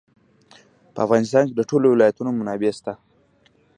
په افغانستان کې د ټولو ولایتونو منابع شته.